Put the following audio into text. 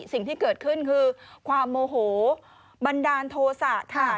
สิ่งที่เกิดขึ้นคือความโมโหบันดาลโทษะค่ะ